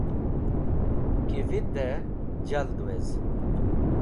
Ki vitẽ jald wez.